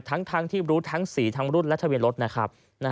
ทั้งที่รู้ทั้งสีทั้งรุ่นและทะเบียนรถนะครับ